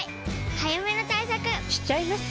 早めの対策しちゃいます。